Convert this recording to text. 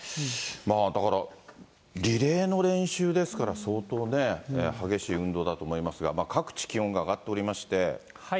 だから、リレーの練習ですから相当ね、激しい運動だと思いますが、各地気温が上がっておりまして。